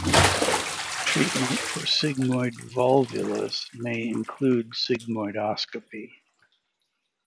Treatment for sigmoid volvulus may include sigmoidoscopy.